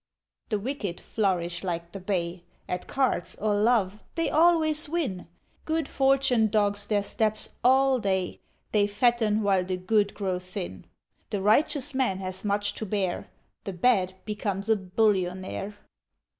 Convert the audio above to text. The Wicked flourish like the bay, At Cards or Love they always win, Good Fortune dogs their steps all day, They fatten while the Good grow thin. The Righteous Man has much to bear; The Bad becomes a Bullionaire!